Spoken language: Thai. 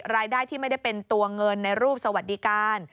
รายได้ที่ไม่ได้เป็นตัวเงินในรูปสวัสดิการ